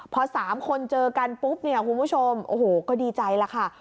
พอ๓คนเจอกันปุ๊บเนี่ยคุณผู้ชมโอ้โหก็ดีใจแล้วค่ะ